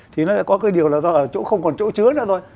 thì nó có cái điều là ở chỗ không còn chỗ chứa nữa thôi